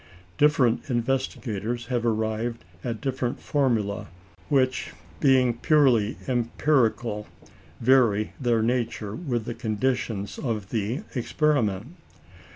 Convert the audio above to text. Different investigators have arrived at different formulæ, which, being purely empirical, vary their nature with the conditions of experiment.